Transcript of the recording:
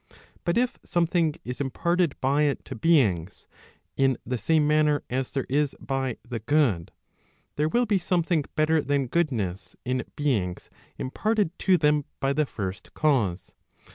But if something is imparted by it to beings, in the same manner as there is by the good, there will be something better than goodness in beings imparted to them by the first cause.